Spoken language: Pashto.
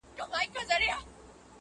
ليکوال ژور نقد وړلاندي کوي ډېر.